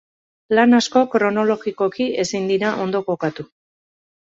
Lan asko kronologikoki ezin dira ondo kokatu.